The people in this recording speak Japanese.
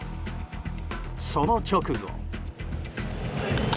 その直後。